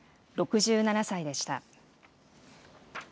６７歳でした。